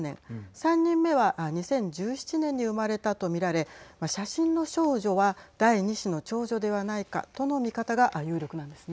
３人目は２０１７年に生まれたと見られ写真の少女は第２子の長女ではないかとの見方が有力なんですね。